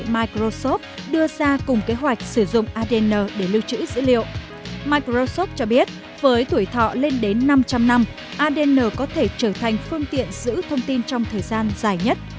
microsoft cho biết với tuổi thọ lên đến năm trăm linh năm adn có thể trở thành phương tiện giữ thông tin trong thời gian dài nhất